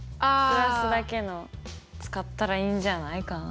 ＋だけの使ったらいいんじゃないかな？